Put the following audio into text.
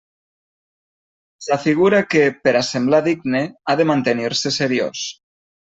S'afigura que, per a semblar digne, ha de mantenir-se seriós.